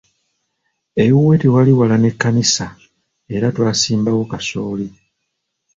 Ewuwe tewaali wala n'ekkanisa era twasimbawo kasooli.